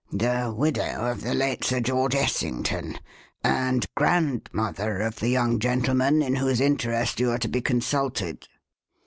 "The widow of the late Sir George Essington, and grandmother of the young gentleman in whose interest you are to be consulted."